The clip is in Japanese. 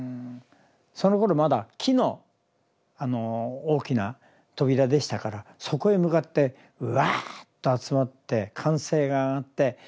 そのころまだ木の大きな扉でしたからそこへ向かってうわっと集まって歓声が上がって。